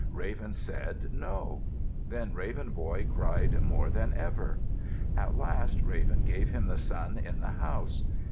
Raven said, "No." Then Raven Boy cried more than ever. At last Raven gave him the sun in the house.